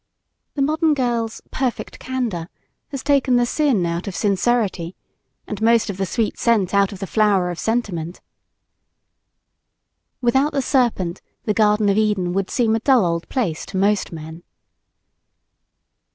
The modern girl's "perfect candor" has taken the sin out of sincerity and most of the sweet scent out of the flower of sentiment. Without the Serpent, the Garden of Eden would seem a dull old place to most men.